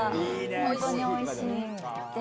本当においしくて。